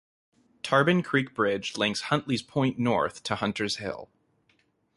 Tarban Creek Bridge links Huntley's Point north to Hunters Hill.